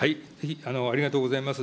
ありがとうございます。